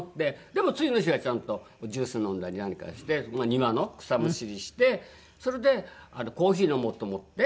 でも次の日はちゃんとジュース飲んだりなんかしてまあ庭の草むしりしてそれでコーヒー飲もうと思って。